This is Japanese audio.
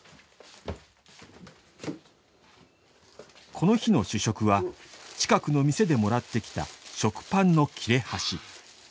この日の主食は近くの店でもらってきた食パンの切れ端。